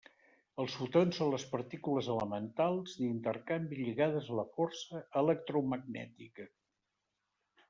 Els fotons són les partícules elementals d'intercanvi lligades a la força electromagnètica.